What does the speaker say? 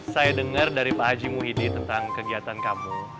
saya dengar dari pak haji muhidi tentang kegiatan kamu